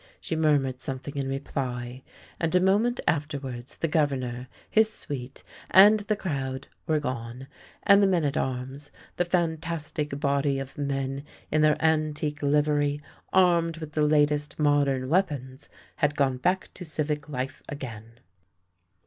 She murmured something in reply, and a moment afterwards the Governor, his suite, and the crowd were gone, and the men at arms — the fantastic body of men in their antique livery, armed with the latest modern weapons, had gone back to civic life again.